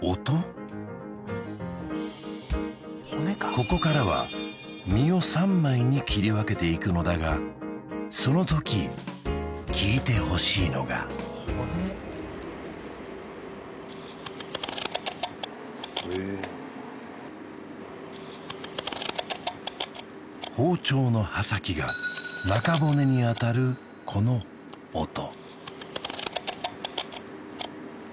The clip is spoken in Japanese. ここからは身を３枚に切り分けていくのだがそのとき聞いてほしいのが包丁の刃先が中骨に当たるこの音